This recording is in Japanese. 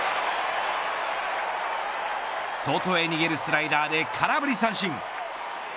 外へ逃げるスライダーで空振り三振。